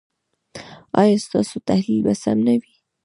ایا ستاسو تحلیل به سم نه وي؟